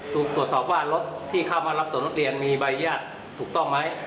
ตรวจสอบว่ารถที่เข้ามารับส่งนักเรียนมีใบญาติถูกต้องไหม